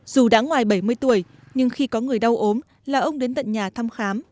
dù đã ngoài bảy mươi tuổi nhưng khi có người đau ốm là ông đến tận nhà thăm khám